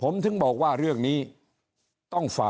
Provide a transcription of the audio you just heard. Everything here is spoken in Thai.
ก็มาเมืองไทยไปประเทศเพื่อนบ้านใกล้เรา